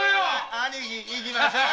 兄貴行きましょうよ。